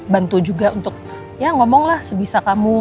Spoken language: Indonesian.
bantu juga untuk ya ngomonglah sebisa kamu